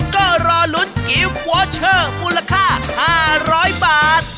ก็รอลุ้นกิฟต์วอเชอร์มูลค่า๕๐๐บาท